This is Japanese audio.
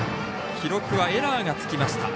記録はエラーがつきました。